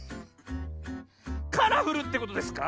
カラフルってことですか？